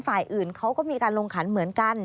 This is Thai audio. ฝ่ายอื่นเขาก็มีการลงขันเหมือนกัน